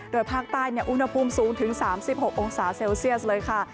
โดยภาคใต้อุณหภูมิสูงถึง๓๖องศาเซลเซียสเลยค่ะ